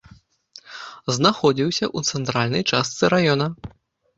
Знаходзіўся ў цэнтральнай частцы раёна.